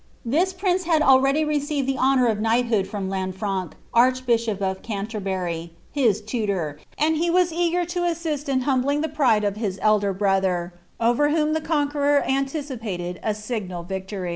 This ptinca had already received the honour of knighthood from Lanfrenc, aifV hisliop of Cajiierbury, hia tutor, and he was eager to assist in humblii] MATILDA OF FLANDERS. 61 the pride of his elder brother, over whom the Conqueror anticipated a signal triumph.'